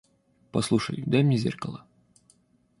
Послушай, дай мне зеркало.